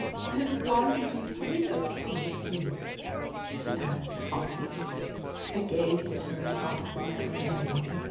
"Then why did you say those things to me?" she asked haughtily. I gazed at her across the narrow table.